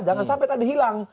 jangan sampai tadi hilang